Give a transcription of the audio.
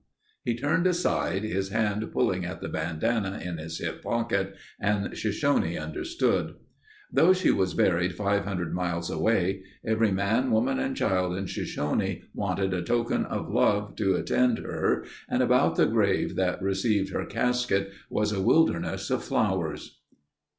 He turned aside, his hand pulling at the bandana in his hip pocket and Shoshone understood. Though she was buried 500 miles away, every man, woman, and child in Shoshone wanted a token of love to attend her and about the grave that received her casket was a wilderness of flowers.